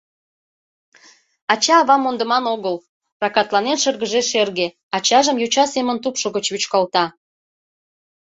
— Ача-авам мондыман огыл! — ракатланен шыргыжеш эрге, ачажым йоча семын тупшо гыч вӱчкалта.